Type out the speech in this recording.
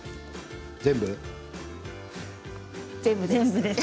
全部です。